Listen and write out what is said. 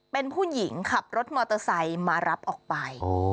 เป็นผู้หญิงขับรถมอเตอร์ไซค์มารับออกไป